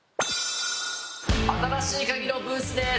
「新しいカギ」のブースです！